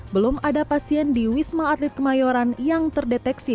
belum ada pasien di wisma atlet kemayoran yang terdeteksi